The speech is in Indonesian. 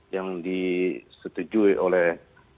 yang disetujui oleh